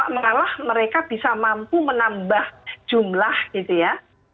malah mereka bisa mampu menambah jumlah gitu ya